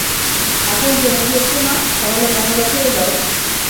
এখন জেনে গিয়েছো না, তাহলে মহল্লা ছেড়ে দাও।